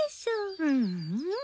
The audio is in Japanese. うんうん。